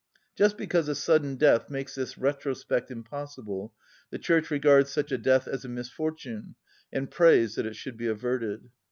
Just because a sudden death makes this retrospect impossible, the Church regards such a death as a misfortune, and prays that it should be averted.